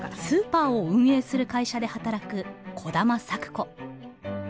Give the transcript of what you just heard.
スーパーを運営する会社で働く兒玉咲子。